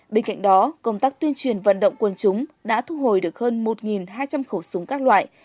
bên cạnh đó công tác tuyên truyền vận động quân chúng đã thu hồi được hơn một hai trăm linh khẩu súng các loại